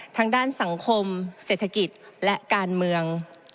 ทางด้านสังคมเศรษฐกิจและการเมือง